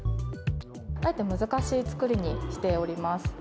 あえて難しい作りにしております。